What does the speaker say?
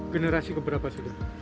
generasi keberapa sudah